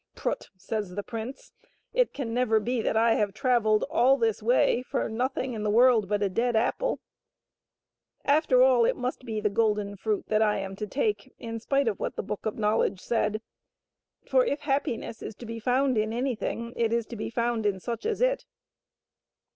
" Prut !" says the prince, " it can never be that I have travelled all this way for nothing in the world but a dead apple. After all, it must be the golden fruit that I am to take, in spite of what the Book of Knowledge said ; for if happiness is to be found in anything, it is to be found in such as it."